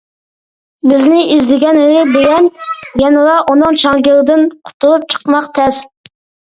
بىزنى ئىزدىگەنلىرى بىلەن يەنىلا ئۇنىڭ چاڭگىلىدىن قۇتۇلۇپ چىقماق تەس.